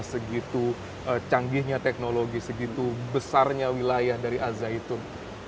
segitu canggihnya teknologi segitu besarnya wilayah dari azayitun